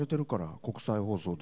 国際放送で。